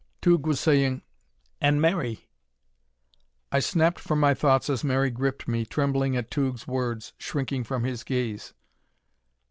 Tugh was saying, "And Mary " I snapped from my thoughts as Mary gripped me, trembling at Tugh's words, shrinking from his gaze.